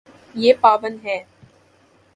یے پاون ہے